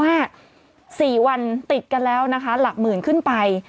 ๔วันติดกันแล้วนะคะหลักหมื่นขึ้นไป